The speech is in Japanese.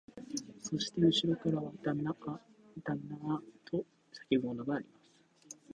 そしてうしろからは、旦那あ、旦那あ、と叫ぶものがあります